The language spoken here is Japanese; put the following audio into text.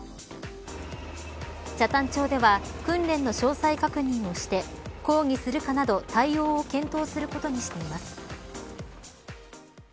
北谷町では訓練の詳細確認をして抗議するかなど対応を検討することにしています。